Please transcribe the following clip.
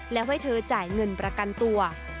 และให้เธอจ่ายเงินประกันตัว